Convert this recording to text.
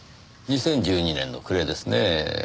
２０１２年の暮れですねぇ。